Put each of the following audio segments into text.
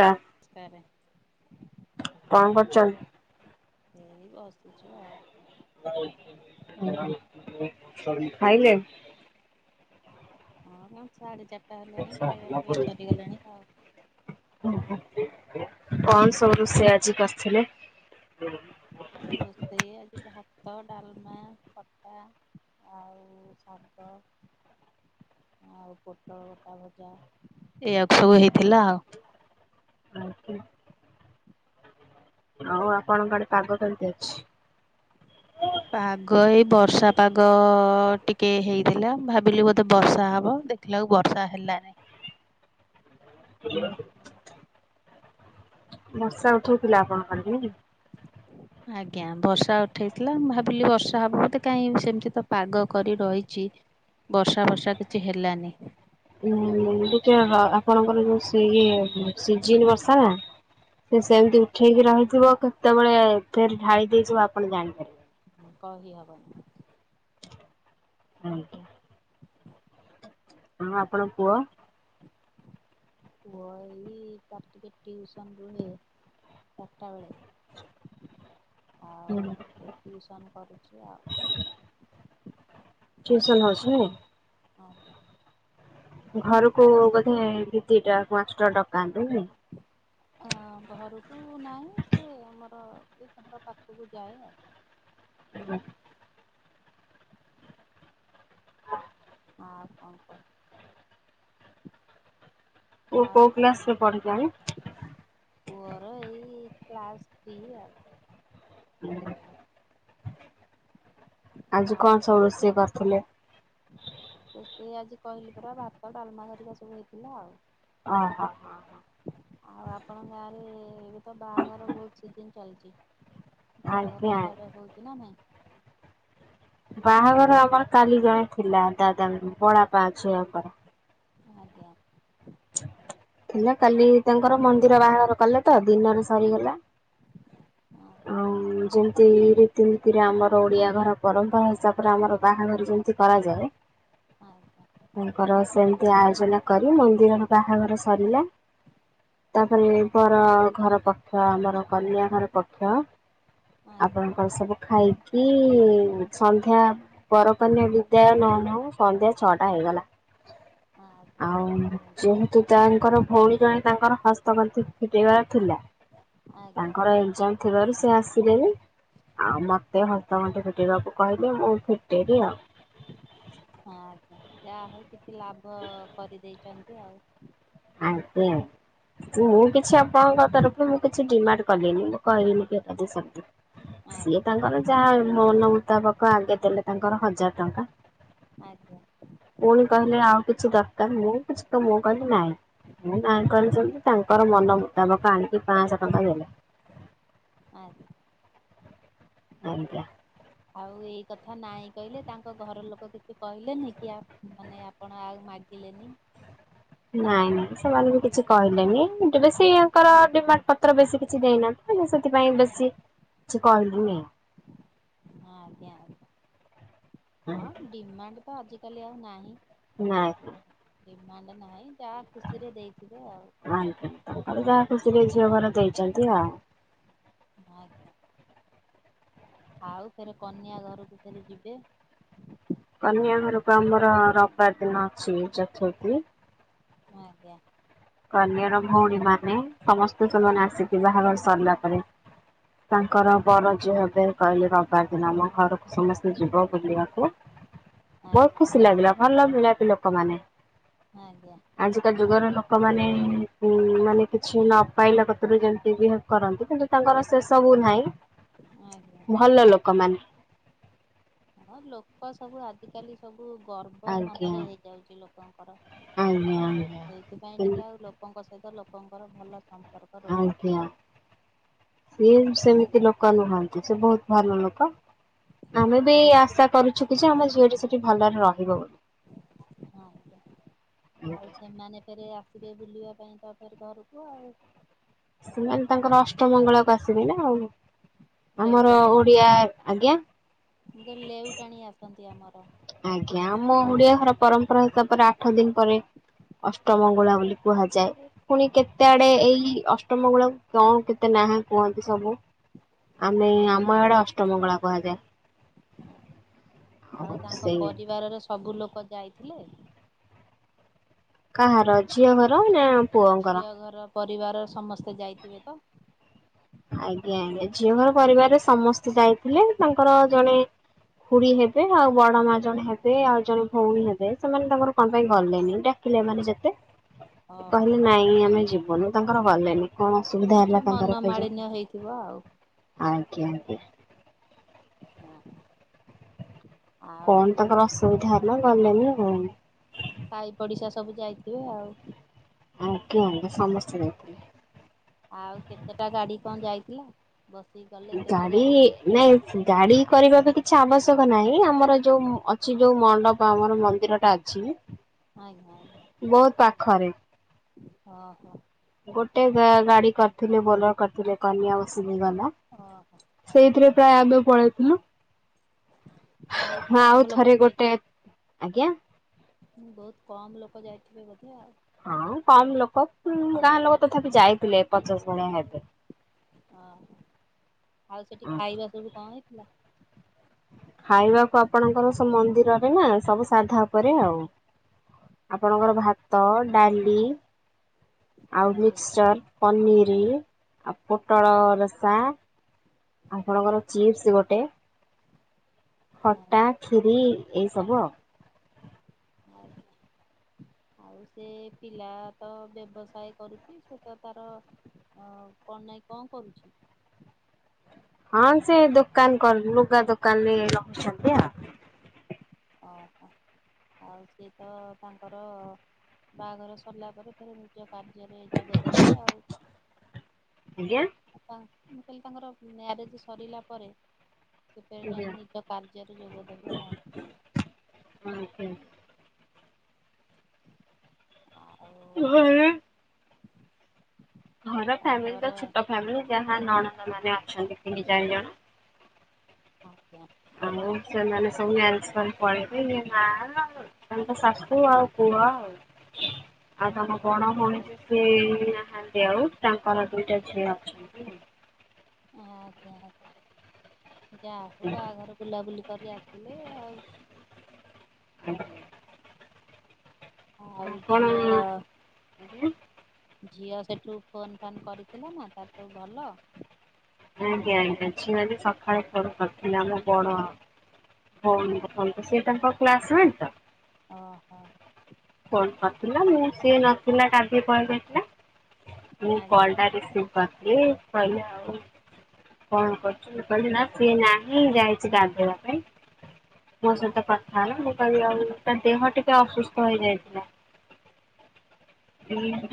କା ସ୍କାରେ କଣ କରୁଛନ୍ ଏ ବସିୁଛୁ ଆଉ ଖାଇଲେ ହଁ ମ ସାଢେ ଚାରିଟା ହେଲାଣି ଖାଇବା ପିଇବା ସରିଗଲାଣି ଆଉ କଣ ସବୁ ରୁଷେଇ ଆଜି କରିଥିଲେ? ରୋଷେଇ ଆଜିି ଭାତ ଡାଲମା ଖଟା ଆଉ ଶନ୍ତ ଆଉ ପୋଟଳ କଟା ଭଜା ଏଇଆକୁ ସବୁ ହେଇଥିଲା ଆଉ। ଆକେ ଆଉ ଆପଣଙ୍କ ଆଡେ ପାଗ କେମିତି ଅଛି? ହଁ [inaudible] ପାଗ ଏଇ ବର୍ଷା ପାଗ ଟିକେ ହେଇଥିଲା ଭାବିଲି ବୋଧେ ବର୍ଷା ହବ ଦେଖ ଦେଖିଲାକୁ ବର୍ଷା ହେଲା ନାହିଁ। ବର୍ଷା ଉଠଉଥିଲା ଆପଣଙ୍କ ଆଡେ ନାଇ ହ [inaudible] ଆଜ୍ଞା ବର୍ଷା ଉଠେଇଥିଲା ମୁଁ ଭାବିଲି ବର୍ଷା ହବ ବୋଧେ କାହିଁ ସେମିତି ତ ପାଗ କରି ରହିଛି ବର୍ଷା ବର୍ଷା କିଛି ହେଲାନି। ଉଁ ଦିତ ଆପଣଙ୍କର ଯୋଉ ସେ ଇଏ ସିଜିନ୍ ବର୍ଷା ନା ସେ ସେମିତି ଉଠେଇକି ରହିଥିବ କେତେବେଳେ ଏରେ ଢାଳି ଦେଇଯିବ ଆପଣ ଜାଣିପାରିବେ ହଁ କହି ହେବନି ହୁଁ ହଁ ଆପଣଙ୍କ ପୁଅ। ପୁଅ ଏଇ ଚାର ଟିକେ ଟିଉସନ ରୁହେ ଚାରିଟା ବେଳେ। [inaudible] ଆଉ ସେ ଟ୍ୟୁସନ୍ କରୁଛି ଆଉ। ଟିଉସନ ହଉଚି ନାଇ। ହିଁ ପା ଘରକୁ ବୋଧେ ଦି ଦିଟା ପାଞ୍ଚଟା ଡକାନ୍ତୁ ନି। ଘରକୁ ନାହିଁ ସେ ଆମର ଏ ଘର ପାଖକୁ ଯାଏ ଆଉ। [unintelligible] ଆଉ କଣ କହ। ପୁଅ କୋଉ କ୍ଲାସ ରେ ପଢିଲାଣି। ପୁଅ ର ଏଇ କ୍ଲାସ ଥ୍ରି। [unintelligible] ଆଜି କଣ ସବୁ ରୋସେଇ କରିଥିଲେ। ରୋସେଇ ଆଜି କହିଲି ପରା ଭାତ ଡାଲମା ହେରିକା ସବୁ ହେଇଥିଲା ଆଉ। ଓ ହୋ [inaudible] ଆଉ ଆପଣଙ୍କ ଗାଁରେ ଏବେ ତ ବାହାଘର ବହୁତ ସିଜିନ ଚାଲିଛି। ବାହାଘର ଆଜ୍ଞା। ସିଆଡେ ହଉଛି ନା ନାଇଁ? ବାହାଘର ଆମର କାଲି ଜଣେ ଥିଲା ଦାଦ ଉଁ ବଡବାପା ଝିଅଙ୍କର। ଆଜ୍ଞା। ଥିଲା କାଲି ତାଙ୍କର ମନ୍ଦିର ବାହାଘର କଲେ ତ ଦିନରେ ସରିଗଲା। ହଁ। ଆଉ ଯେମିତି ରୀତିନୀତିରେ ଆମର ଓଡ଼ିଆ ଘର ପରମ୍ପରା ହିସାବରେ ଆମର ବାହାଘର ଯେମିତି କରାଯାଏ [inaudible] ହଁ ହଁ। ତାଙ୍କର ସେମିତି ଆୟୋଜନ କରି ମନ୍ଦିରର ବାହାଘର ସରିଲା। ତାପରେ ବର ଘର ପକ୍ଷ ଆମର କନ୍ୟା ଘର ପକ୍ଷ। ଆଜ୍ଞା ଆପଣଙ୍କର ସବୁ ଖାଇକି ସନ୍ଧ୍ୟା ବରକନ୍ୟା ବିଦାୟ ନଉ ନଉ ସନ୍ଧ୍ୟା ଛଅଟା ହେଇଗଲା। ଆଜ୍ଞା ଆଉ ଯେହେତୁ ତାଙ୍କର ଭଉଣୀ ଜଣେ ତାଙ୍କର ହସ୍ତଗନ୍ତି ଫେଟେଇବାର ଥିଲା ଆଜ୍ଞା ତାଙ୍କର ଏକ୍ଜାମ ଥିବାରୁ ସେ ଆ ସିଲେନି ଆଉ ମତେ ହସ୍ତ ଘାଣ୍ଟି ଫେଟିବାକୁ କହିଲେ ମୁଁ ଫେଟେଇି ଆଉ ଆଜ୍ଞା ଯାହା ହଉ କିଛି ଲାଭ କରିଦେଇଛନ୍ତି ଆଉ ଆଜ୍ଞା। ମୁଁ କିଛି ଆପଣଙ୍କ ତରଫରୁ ମୁଁ କିଛି ଡିମାଣ୍ଡ କଲିନି ମୁଁ କହିଲିନି କି ସବତି। ସିଏ ଆଜ୍ଞା ତାଙ୍କର ଯାହା ମନ ମୁତାବକ ଆଗେ ଦେଲେ ତାଙ୍କର ହଜାର ଟଙ୍କା। ଆଜ୍ଞା। ପୁଣି କହିଲେ ଆଉ କିଛି ଦରକାର ମୁଁ କିଛି ତ ମୁଁ କହିଲ ନାହିଁ ମୁଁ ନାଇଁ କହିଛନ୍ତି ତାଙ୍କୁ ତାଙ୍କର ମନ ମୁତାବକ ଆଣିକି ପାଞ୍ଚଶହ ଟଙ୍କା ଦେଲେ। ଆଜ୍ଞା। ଆଜ୍ଞା। ଆଉ ଏଇ କଥା ନାଇଁ କହିଲେ ତାଙ୍କ ଘର ଲୋକ କିଛି କହିଲେନି କି ମାନେ କଣ ଆଉ ମାଗିଲେନି ନାଇଁ ନାଇଁ ସେମାନେ ବି କିଛି କହିଲେନି ବେଶି ୟାଙ୍କର ଡିମାଣ୍ଡ ପତ୍ର ବେଶୀ କିଛି ଦେଇନା ଇଁ ସେଥିପାଇଁ ବେଶୀ କିଛି କହିଲେନି। ଆଜ୍ଞା ଆଚ୍ଛା ହଁ ଡିମାଣ୍ଡ ତ ଆଜିକାଲି ଆଉ ନାହିଁ। ନାଁ। ଡିମାଣ୍ଡ ନାହିଁ ଯାହା ଖୁସିରେ ଦେଇଥିବେ ଆଉ। ଆଜ୍ଞା ତାଙ୍କର ଯାହା ଖୁସିରେ ଝିଅ ଘର ଦେଇଚନ୍ତି ଆଉ। ଆଜ୍ଞା ଆଉ ଫରେ କନ୍ୟା ଘରକୁ ଫରେ ଯିବେ। କନ୍ୟା ଘରକୁ ଆମର ରବିବାର ଦିନ ଅଛି ଚତୁର୍ଥୀ। ଆଜ୍ଞା। କନ୍ୟାର ଭଉଣୀ ମାନେ ସମସ୍ତେ ସେମାନେ ଆସିକି ବାହାଘର ସରିଲା ପରେ ତାଙ୍କର ବର ଯିଏ ହେବେ କହିଲେ ରବିବାର ଦିନ ଆମ ଘରକୁ ସମସ୍ତେ ଯିବ ବୁଲିବାକୁ। ବହୁତ ଆଜ୍ଞା ଖୁସି ଲାଗିଲା ଭଲ ମିଳାପି ଲୋକମାନେ। ଆଜ୍ଞା। ଆଜିକା ଯୁଗର ଲୋ ଲୋକମାନେ ଉଁ ମାନେ କିଛି ନ ପାଇଲା କତିରୁ ଯେମିତି ବିହେବ୍ କରନ୍ତିୁ କିନ୍ତୁ ତାଙ୍କର ସେ ସବୁ ନାହିଁ। ଆଜ୍ଞା ଭଲ ଲୋକମାନେ ଆ ଲୋକ ସବୁ ଆ ଆଜି କାଲି ସବୁ ଗର୍ବ ଆଜ୍ଞା ମନରେ ହେଇଯାଉଛି ଲୋକଙ୍କର। ଆଜ୍ଞା ସେଇଥିପାଇଁ ଆଜ୍ଞା। ଟିକେ ଆଉ ଲୋକଙ୍କ ସହିତ ଲୋକଙ୍କର ଭଲ ସମ୍ପ ଆଜ୍ଞା ସିଏ ସେମିତି ଲୋକ ନୁହନ୍ତି ସେ ବହୁତ ଭଲ ଲୋକ। ଆମେ ବି ଆଶା କରୁଛୁ କି ଯେ ଆମ ଝିଅଟି ସେଠି ଭଲରେ ରହିବ ବୋଲି। [unintelligible] ସେମାନେ ଫେରେ ଆସିବେ ବୁଲିବା ପାଇଁ ତ ଫେରେ ଘରକୁ ଆଉ। ସେମାନେ ତାଙ୍କର ଅଷ୍ଟମଙ୍ଗଳାକୁ ଆସିବେ ନା ଆଉ ଆମର ଓଡିଆ ଆଜ୍ଞା? ମୁକହିଲି ଲେଉଟାଣି ଆସନ୍ତି ଆମର। ଆଜ୍ଞା ଆମ ଓଡିଆ ଘର ପରମ୍ପରା ହିସାବରେ ଆଠ ଦିନ ପରେ ଅଷ୍ଟମଙ୍ଗୁଳା ବୋଲି କୁହାଯାଏ ପୁଣି କେତେ ଆଡେ ଏଇ ଅଷ୍ଟ ମଙ୍ଗୁଳାକୁ କଣ କେତେ ନାହା ନୁହନ୍ତି ସବୁ। ଆମେ ହଁ। ଆମ ଆଡେ ଅଷ୍ଟମଙ୍ଗଳା କୁହାଯାଏ। ଆଉ ତାଙ୍କ ସେଇ ପରିବାରର ସବୁ ଲୋକ ଯାଇଥିଲେ। କାହାର ଝିଅ ଘର ନା ପୁଅଙ୍କର? ଝିଅ ଘର ପରିବାର ସମସ୍ତେ ଯାଇଥିବେ ତ? ଆଜ୍ଞା ଆଜ୍ଞା ଝିଅ ଘର ପରିବାରରେ ସମସ୍ତେ ଯାଇଥିଲେ ତାଙ୍କର ଜଣେ ଖୁୁଡି ହେବେ ଆଉ ବଡ ମା ଜଣେ ହେବେ ଆଉ ଜଣେ ଭଉଣୀ ହେବେ ସେମାନେ ତାଙ୍କର କଣ ପାଇଁ ଗଲେନି ଏଟା ଖିଲେ ମାନେ ଯେତେ ଓହୋ। କହିଲେ ନାଇଁ ଆମେ ଯିବୁନଙ ତାଙ୍କର ଗଲେନି କଣ ଅସୁବିଧା ହେଲା ତାଙ୍କର କେଯା ଆ ହେଇଥିବ ଆଉ। ଆଜ୍ଞା ଦି। ହଁ। ଆଉ କଣ ତାଙ୍କର ଅସୁବିଧା ହେଲା ଗଲେନି ଆଉ। ସାଇ ପଡିଶା ସବୁ ଯାଇଥିବେ ଆଉ। ଆଜ୍ଞା ଆଜ୍ଞା ସମସ୍ତେ ଯାଇଥିଲେ। ଆଉ କେତେଟା ଗାଡି କଣ ଯାଇଥିଲା? ବସିକି ଗ ଗାଡ଼ି ନାଇଁ ଗାଡି କରିବା ବି କିଛି ଆବଶ୍ୟକ ନାହିଁ ଆମର ଯୋଉ ଅଛି ଯୋଉ ମଣ୍ଡପ ଆମର ମନ୍ଦିର ରାଜି [unintelligible] ବହୁତ ପାଖରେ ଓହୋ ଗୋଟେ ଗାଡି କରିଥିଲେ ବୋଲର କରିଥିଲେ କନିଆ ବସିକି ଗଲା ଓହୋ। ସେଇଥିରେ ପ୍ରାୟ ଆମେ ପଳେଇଥିଲୁ। ବହୁତ ହଁ ଆଉ କମ ଲୋକ ଥରେ ଗୋଟେ ଆଜ୍ଞା ମୁଁ ବହୁତ କମ ଲୋକ ଯାଇଥିବେ ବୋଧେ ଆଉ। ହଁ କମ ଲୋକ ଗାଁ ଲୋକ ତଥାପି ଯାଇଥିଲେ ପଚାଶ ଭଳିଆ ହେବେ ଓ ଆଉ ସେଠି ଖାଇବା ସବୁ କଣ ହେଇଥିଲା? ଖାଇବାକୁ ଆପଣଙ୍କର ସବୁ ମନ୍ଦିରରେ ନା ସବୁ ସାଧା ଉପରେ ଆଉ। ଆପଣଙ୍କର ହଁ ଭାତ, ଡାଲି ଆଉ ଆଜ୍ଞା ମିକ୍ସଚର ପନିର ଆଉ ପୋଟଳ ରସା ହଁ ଆପଣଙ୍କର ଚିପ୍ସ ଗୋଟେ ଖଟା, ଖିରି ଏଇ ସବୁ ଆଉ ଆଉ ଆଉ ସେ ପିଲା ତ ବ୍ୟବସାୟ କରୁଚି ସେ ତ ତାର ଅ କଣ ନାଇଁ କଣ କରୁଚି ହଁ ସେ ଦୋକାନ ଲୁଗା ଦୋକାନରେ ରହୁଛନ୍ତି ଆଉ ଓହୋ ଆଉ ସିଏ ତ ତାଙ୍କର ବାହାଘର ସରିଲା ପରେ ପୁଣି ନିଜ କାର୍ଯ୍ୟରେ ଯୋଗ ଦେବେ ଆଉ। ଆଜ୍ଞା ଆ ତା ମୁଁ କହିଲି ତାଙ୍କର ମ୍ୟାରେଜ ସରିଲା ପରେ ସେତେଳେ ଯାଇକି ନିଜ କାର୍ଯ୍ୟରେ ଯୋଗଦେବେ ଆଉ। [unintelligible] ଆଉ [unintelligible] ଘର ଫ୍ୟାମିଲି ତାଙ୍କର ତ ଛୋଟ ଫ୍ୟାମିଲି ଯାହା ନଣନ୍ଦ ମାନେ ଅଛନ୍ତି ତିନି ଚାରି ଜଣ। ଆଜ୍ଞା। ଆଉ ସେମାନେ ସବୁ [unintelligible] ପଳେଇବେ ମା ତମେତ ଶାଶୁ ଆଉ କୁହ ଆଉ ଆଉ ତମ କଣ ବଡ଼ଭଉଣୀ ଯିଏ ସେ ନାହାନ୍ତି ଆଉ ତାଙ୍କର ଦିଇଟା ଝିଅ ଅଛନ୍ତି ଆଜ୍ଞା ଆ ଯା ହଉ ବାହାଘର ବୁଲାବୁଲି କରି ଆସିଲେ ଆଉ। [inaudible] ଆ ଆଉ କଣ ଝିଅ ଆଜ୍ଞା ଝିଅ ସେଠୁ ଫୋନ ଫାନ କରିଥିଲା ନା ତାର ସବୁ ଭଲ? ଆଜ୍ଞା ଆଜ୍ଞା ଝିଅ ଆଜି ସକାଳେ ଫୋନ କରିଥିଲା, ଆମ ବଡ [unintelligible] ସିଏ ତାଙ୍କ କ୍ଲାସମେଟ ତ। ଓହ। କଣ କରିଥିଲା ମୁଁ ସିଏ ନଥିଲା ଗାଧେଇ ପଳେଇ ଯାଇଥିଲା ମୁ ଆଜ୍ଞା। କଲଟା ରିସିଭ୍ କରିଥିଲି କହିଲା ଆଉ କଣ କରୁଥିଲୁ, କହିଲି ନା ସିଏ ନାହିଁ ଯାଇଚି ଗାଧୋଇବା ପାଇଁ ମୋ ସହିତ କଥା ହେଲା ମୁଁ କହି ଆଉ ତା ଦେହ ଟିକେ ଅସୁସ୍ଥ ହେଇଯାଇଥିଲା।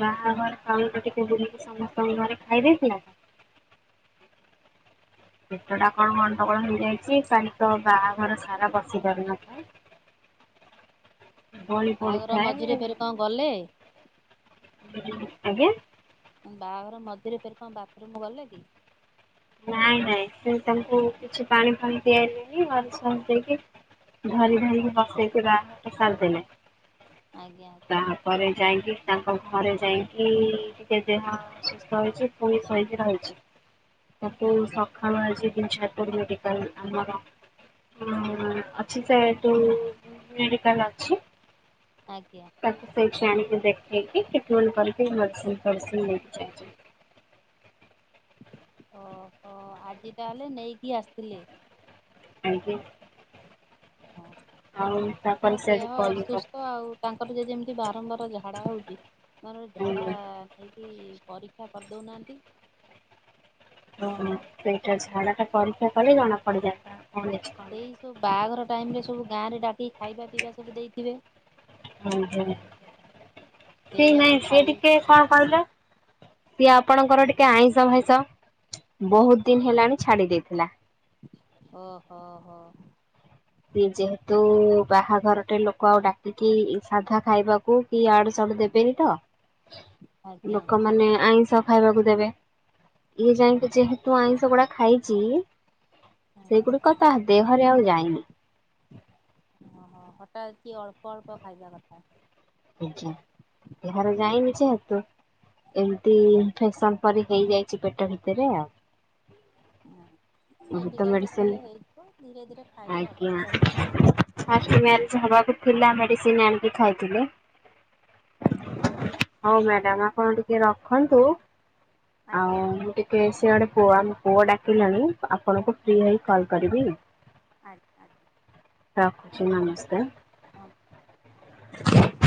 ବାହାଘର ଟାଇମ ରେ ଟିକେ ବୁଲିକି ସମସ୍ତଙ୍କ ଘରେ ଖାଇ ଦେଇେଇଥିଲା ତ ପେଟଟା କଣ ଗଣ୍ଡଗୋଳ ହେଇଯାଇଛି କାଲି ତ ବାହାଘର ସାରା ବସି ପାରୁନଥାଏ ବଳି ବାହାଘର ପଡିଥାଏ। ମଝିରେ ଫେର କଣ ଗଲେ? ଆଜ୍ଞା ବାହାଘର ମଝିରେ ଫେର କଣ ବାଥରୁମ ଗଲେ କି? ନାଇଁ ନାଇଁ ସେ ତାଙ୍କୁ କିଛି ପାଣି ଫାଣି ପିଆଇଲିନି ଓ ଆର ଏସ ପାଣି ପିଇକି ଧରି ଧରିକି ବସେଇକି ବାହାଘର ଟା ସାରିଦଲେ। ଆଜ୍ଞା। ତାହା ପରେ ଯାଇକି ତାଙ୍କ ଘରେ ଯାଇକି ଟିକେ ଦେହ ସୁସ୍ଥ ହେଇଛି ପୁଣି ଶୋଇକି ରହିଛି। ତାକୁ ଆଜ୍ଞା ସକାଳୁ ଆଜି ଛାଡିଲୁ ମେଡିକାଲ ଆମର ଅଛି ସେ ଯୋଉ ମେଡ଼ିକାଲ ଅଛି ଆଜ୍ଞା। ତାକୁ ସେଇଠି ଆଣିକି ଦେଖେଇକି ଟ୍ରୀଟମେଣ୍ଟ କରିକି ମେଡ଼ିସିନ ଫେଡ଼ିସିନ୍ ନେଇକି ଯାଇଚନ୍ତି। ଓହୋ ଆଜି ତାହେଲେ ନେଇକି ଆସିଥିଲେ? ଆଜ୍ଞା। ଆଉ ହଉ ତାପରେ ଆଉ ସେ ଆଜି ଦେହ କଲ୍ ଅସୁସ୍ଥ ଆଉ ତାଙ୍କର ଯଦି ଏମିତି ବାରମ୍ବାର ଝାଡା ହଉଚି ନ ହେଲେ ହୁଁ ଝାଡା ନେଇକି କି ପରୀକ୍ଷା କରିଦଉନାହାନ୍ତି? ହଁ ସେଇଟା ଝାଡା ଟା ପରୀକ୍ଷା କଲେ ଜଣା ପଡିଯାଆନ୍ତା କଣ ହେଇଛି କଣ ନାହିଁ। ଏଇ ସବୁ ବାହାଘର ଟାଇମ ରେ ସବୁ ଗାଁରେ ଡାକି ଖାଇବା ପିଇବା ସବୁ ଦେଇଥିବେ ହଁ ହଁ ସେ ନାଇଁ ସେଇଆକୁ ସେ ଖାଇ ଟିକେ କଣ କହିଲ ସିଏ ଆପଣଙ୍କର ଟିକେ ଆଇଁଷ ଭାଇଁଷ ବହୁତ ଦିନ ହେଲାଣି ଛାଡି ଦେଇଥିଲା ଓ ହୋ ହୋ। ଯେହେତୁ ବାହାଘରଟେ ଲୋକ ଆଉ ଡାକିକି ସାଧା ଖାଇବାକୁ କି ଇଆଡୁ ସିଆଡୁ ଦେବେନି ତ ଆଜ୍ଞା ଲୋକମାନେ ଆଇଁଷ ଖାଇବାକୁ ଦେବେ ଇଏ ଯାଇକି ଯେହେତୁ ଆଇଁଷ ଗୁଡା ଖାଇଛି ସେଇଗୁଡିକ ତା ଦେହରେ ଆଉ ଯାଇନି ଓ ହୋ ହୋ ହଠାତ୍ କି ଅଳ୍ପ ଅଳ୍ପ ଖାଇବା କଥା। ଆଜ୍ଞା ଦେହରେ ଯାଇନି ଯେହେତୁ ଏମିତି ଇନଫେକ୍ସନ ପରି ହେଇଯାଇଛି ପେଟ ଭିତରେ ଆଉ ଭୂତ ମେଡିକାଲ ମେଡିସିନ ଦେଖେଇଲେ ହେଇଯିବ ଧୀରେ ଧୀରେ ଖାଇଲେ ଆଜ୍ଞା ଅଭ୍ୟାସ ହେଇଯିବ। ଫାଷ୍ଟ ମେରେଜ ହବାକୁ ଥିଲା ମେଡିସିନ ଆଣିକି ଖାଇଥିଲେ ହଉ ଆଜ୍ଞା ମ୍ୟାଡ଼ାମ ଆପଣ ଟିକେ ରଖନ୍ତୁ ଆଉ ଆଜ୍ଞା ମୁଁ ଟିକେ ସିଏ ସିଆଡେ ପୁଅ ଆମ ପୁଅ ଡାକିଲାଣି ଆପଣଙ୍କୁ ଫ୍ରି ହେଇ କଲ୍ କରିବି। ଆଜ୍ଞା ଆଜ୍ଞା। ରଖୁଛି ନମସ୍କାର। ହଁ।